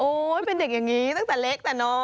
โอ๊ยเป็นเด็กอย่างนี้ตั้งแต่เล็กตั้งแต่น้อย